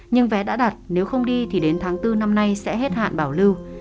nhưng vé đã đặt nếu không đi thì đến tháng bốn năm nay sẽ hết hạn bảo lưu